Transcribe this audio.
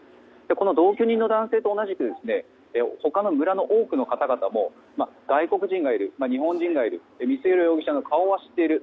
この同居人の男性と同じく他の村の多くの方々も外国人がいる日本人がいる光弘容疑者の顔は知っている。